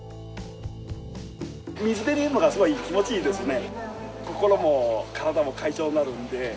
水辺にいるのがすごい気持ちいいですね。